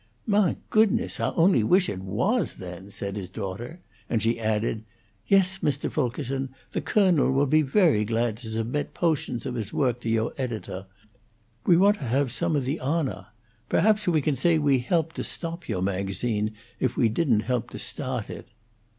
"Mah goodness! Ah only wish it WAS, then," said his daughter; and she added: "Yes, Mr. Fulkerson, the Colonel will be very glad to submit po'tions of his woak to yo' edito'. We want to have some of the honaw. Perhaps we can say we helped to stop yo' magazine, if we didn't help to stawt it."